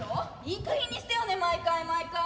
いいかげんにしてよね毎回毎回」。